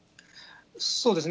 そうですね。